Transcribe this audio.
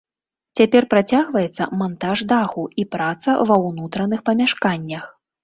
Цяпер працягваецца мантаж даху і праца ва ўнутраных памяшканнях.